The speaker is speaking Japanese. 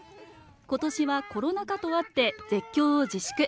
今年はコロナ禍とあって絶叫を自粛。